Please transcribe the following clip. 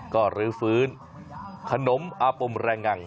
ก็รื้อฟื้นขนมอาปมแรงงัง